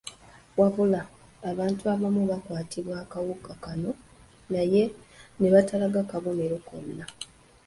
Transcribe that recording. Wabula, abantu abamu bakwatibwa akawuka kano naye ne batalaga kabonero konna.